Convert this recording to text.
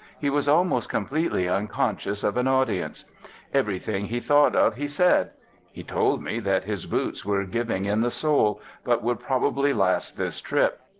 He was almost completely unconscious of an audience. Everything he thought of he said. He told me that his boots were giving in the sole, but would probably last this trip.